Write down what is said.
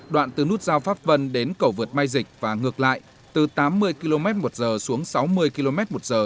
đoạn từ nút giao pháp vân đến cầu vượt mai dịch và ngược lại từ tám mươi km một giờ xuống sáu mươi km một giờ